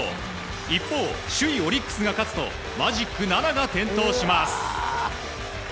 一方、首位オリックスが勝つとマジック７が点灯します。